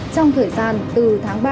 trong thời gian từ tháng ba